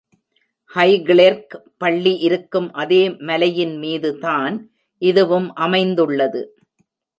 Highclere பள்ளி இருக்கும் அதே மலையின்மீது தான் இதுவும் அமைந்துள்ளது.